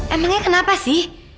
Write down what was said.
emangnya kenapa sih